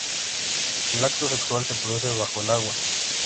El acto sexual, se produce bajo el agua.